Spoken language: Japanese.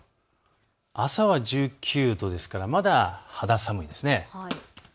朝は１９度ですからまだ肌寒いですね。